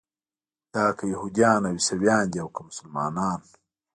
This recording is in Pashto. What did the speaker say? دا که یهودیان او عیسویان دي او که مسلمانان.